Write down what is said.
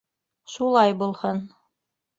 — Шулай булһын.